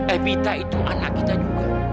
evita itu anak kita juga